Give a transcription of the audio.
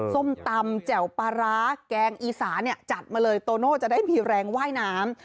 ส้มตำแจ่วปลาร้าแกงอีสาเนี่ยจัดมาเลยโตโน่จะได้มีแรงว่ายน้ำ